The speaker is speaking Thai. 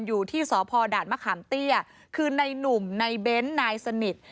อยู่ที่สพดมเตี้ยคือในนุ่มในเบ้นนายสนิท